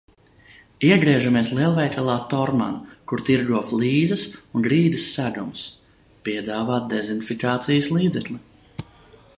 Iegriežamies lielveikalā "Torman", kur tirgo flīzes un grīdas segumus. Piedāvā dezinfikācijas līdzekli.